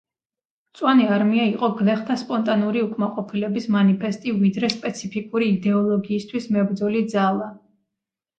მწვანე არმია იყო გლეხთა სპონტანური უკმაყოფილების მანიფესტი ვიდრე სპეციფიკური იდეოლოგიისთვის მებრძოლი ძალა.